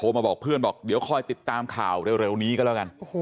มาบอกเพื่อนบอกเดี๋ยวคอยติดตามข่าวเร็วนี้ก็แล้วกัน